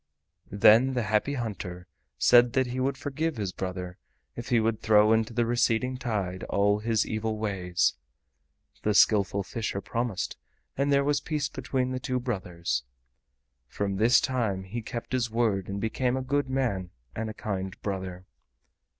Then the Happy Hunter said that he would forgive his brother if he would throw into the receding tide all his evil ways. The Skillful Fisher promised and there was peace between the two brothers. From this time he kept his word and became a good man and a kind brother.